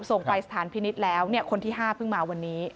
ส่งไปสถานพินิษฐ์แล้วคนที่๕เพิ่งมาวันนี้